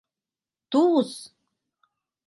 — Туз?!